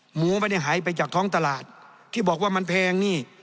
หมูไม่ได้หายไปจากท้องตลาดที่บอกว่ามันแพงนี่